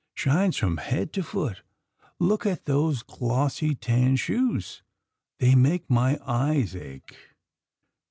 '^Shines from head to foot. Look at those glossy tan shoes. They make my eyes ache.